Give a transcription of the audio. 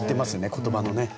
言葉のね。